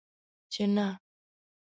چې نه!